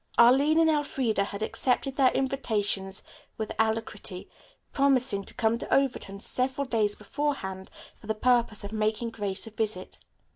Arline and Elfreda had accepted their invitations with alacrity, promising to come to Overton several days beforehand for the purpose of making Grace a visit.